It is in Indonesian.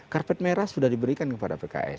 karpet merah sudah diberikan kepada pks